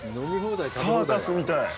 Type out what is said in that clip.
サーカスみたい。